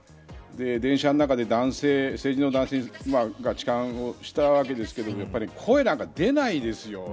電車の中で成人の男性が痴漢をしたわけですがやっぱり声なんか出ないですよ。